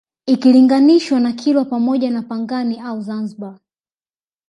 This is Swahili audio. Ikilinganishwa na Kilwa pamoja na Pangani au Zanzibar